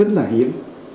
rất là hiếm